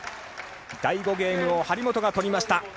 第５ゲームを張本が取りました。